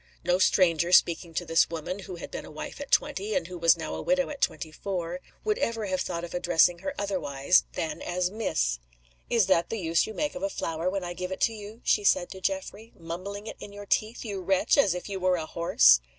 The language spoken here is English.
No stranger speaking to this woman who had been a wife at twenty, and who was now a widow at twenty four would ever have thought of addressing her otherwise than as "Miss." "Is that the use you make of a flower when I give it to you?" she said to Geoffrey. "Mumbling it in your teeth, you wretch, as if you were a horse!"